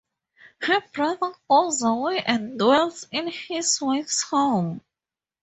Her brother goes away and dwells in his wife's home.